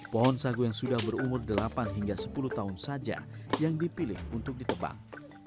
pohon sagu yang sudah berumur delapan hingga sepuluh tahun saja yang dipilih untuk ditebang